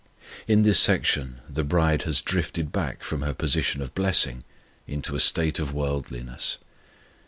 In this section the bride has drifted back from her position of blessing into a state of worldliness.